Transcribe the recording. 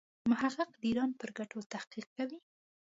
محقق د ایران پر ګټو تحقیق کوي.